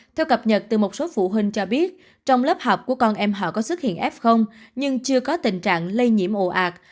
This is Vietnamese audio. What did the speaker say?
theo cập nhật từ một số phụ huynh cho biết trong lớp học của con em họ có xuất hiện f nhưng chưa có tình trạng lây nhiễm ồ ạt